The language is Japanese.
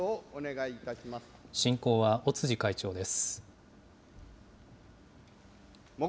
進行は尾辻会長です。